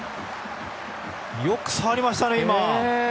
よく触りましたね、今。